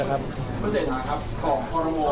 ครับครับคุณเสรงท้าของ